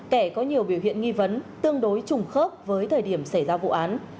kẻ có nhiều biểu hiện nghi vấn tương đối trùng khớp với thời điểm xảy ra vụ án